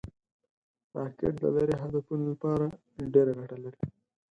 راکټ د لرې هدفونو لپاره ډېره ګټه لري